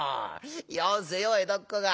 よせよ江戸っ子が。